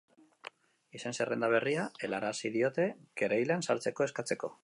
Izen zerrenda berria helarazi diote, kereilan sartzeko eskatzeko.